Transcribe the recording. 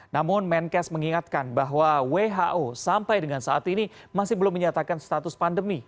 namun menkes mengingatkan bahwa who sampai dengan saat ini masih belum menyatakan status pandemi